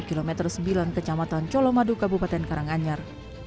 kilometer sembilan kecamatan colomadu kabupaten karanganyar